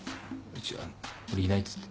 あの俺いないっつって。